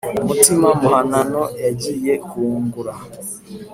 umutima muhanano yagiye kuwungura